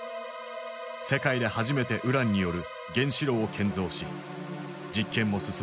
世界で初めてウランによる原子炉を建造し実験も進めていた。